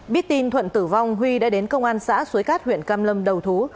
biết tin thuận tử vong huy đã đến công an xã suối cát huyện cam lâm đầu thú